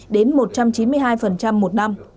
đến một trăm chín mươi hai một năm